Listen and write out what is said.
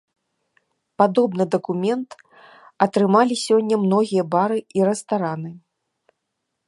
Падобны дакумент атрымалі сёння многія бары і рэстараны.